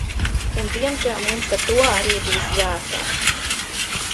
Un diemžēl mums ar to arī būs jāsāk.